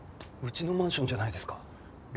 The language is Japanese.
うちのマンションじゃないですか。